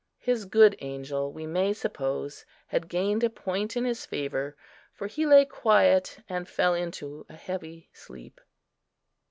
His good Angel, we may suppose, had gained a point in his favour, for he lay quiet, and fell into a heavy sleep.